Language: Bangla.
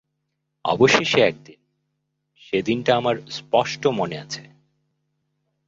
অবশেষে একদিন–সে দিনটা আমার স্পষ্ট মনে আছে।